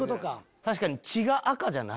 確かに。